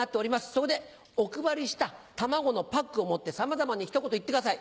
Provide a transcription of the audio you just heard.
そこでお配りした卵のパックを持ってさまざまに一言言ってください。